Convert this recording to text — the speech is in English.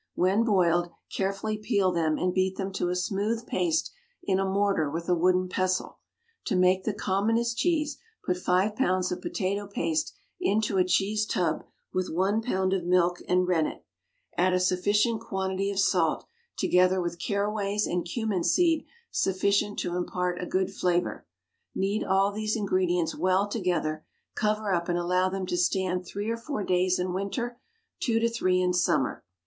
When boiled, carefully peel them and beat them to a smooth paste in a mortar with a wooden pestle. To make the commonest cheese, put five pounds of potato paste into a cheese tub with one pound of milk and rennet; add a sufficient quantity of salt, together with caraways and cumin seed sufficient to impart a good flavour. Knead all these ingredients well together, cover up and allow them to stand three or four days in winter, two to three in summer.